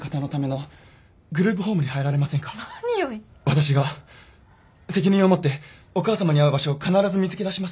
私が責任を持ってお母さまに合う場所を必ず見つけ出しますので。